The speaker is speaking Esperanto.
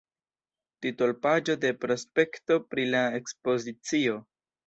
Titolpaĝo de prospekto pri la ekspozicio.